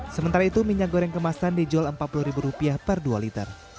sementara itu minyak goreng kemasan dijual rp empat puluh per dua liter